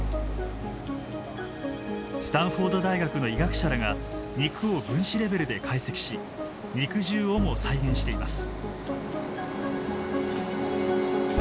スタンフォード大学の医学者らが肉を分子レベルで解析し肉汁をも再現しています。